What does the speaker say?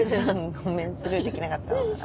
ごめんスルーできなかったわ。